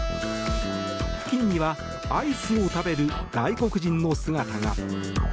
付近にはアイスを食べる外国人の姿が。